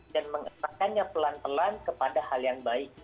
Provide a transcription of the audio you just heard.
dan mengatakannya pelan pelan kepada hal yang baik